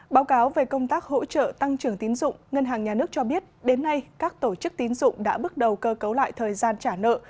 báo cáo về công tác hỗ trợ tăng trưởng tín dụng ngân hàng nhà nước cho biết đến nay các tổ chức tín dụng đã bước đầu cơ cấu lại thời gian trả nợ